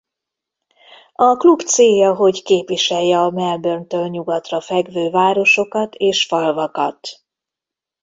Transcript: A klub célja hogy képviselje a Melbourne-től nyugatra fekvő városokat és falvakat.